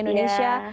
iya terima kasih